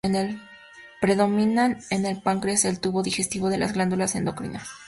Predominan en el páncreas, el tubo digestivo y las glándulas endocrinas.